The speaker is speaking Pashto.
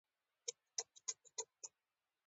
ځمکه د افغانانو د فرهنګي پیژندنې برخه ده.